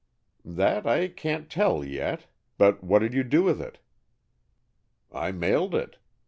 _" "That I can't tell yet. But what did you do with it?" "I mailed it.